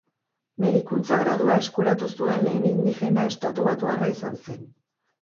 Medikuntza gradua eskuratu zuen lehen indigena estatubatuarra izan zen.